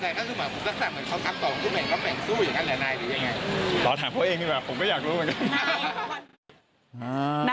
ตอบถามเพื่อเองดีกว่าผมก็อยากรู้เหมือนกัน